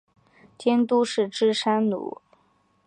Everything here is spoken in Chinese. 监督是芝山努。